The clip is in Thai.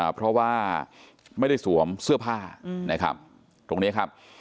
เพราะว่าไม่ได้สวมเสื้อผ้านะครับตรงนี้ครับ